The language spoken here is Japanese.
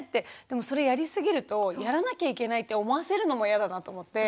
でもそれやりすぎるとやらなきゃいけないって思わせるのも嫌だなと思って。